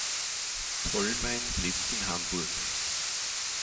Tolmein lebt in Hamburg.